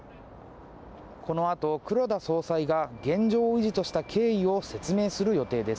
このあと、黒田総裁が、現状維持とした経緯を説明する予定です。